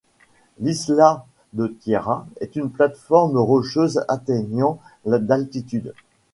L'isla de Tierra est une plate-forme rocheuse atteignant d'altitude.